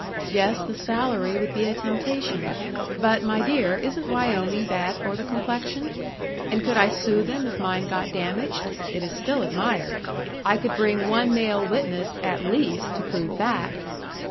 Yes, the salary would be a temptation. But, my dear, isn't Wyoming bad for the complexion? And could I sue them if mine got damaged? It is still admired. I could bring one male witness AT LEAST to prove that!"